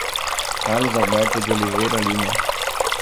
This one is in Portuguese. Carlos Alberto de Oliveira Lima